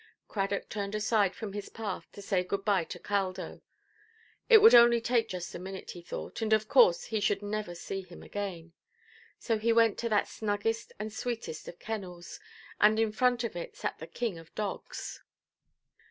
Cradock turned aside from his path, to say good–bye to Caldo. It would only take just a minute, he thought, and of course he should never see him again. So he went to that snuggest and sweetest of kennels, and in front of it sat the king of dogs.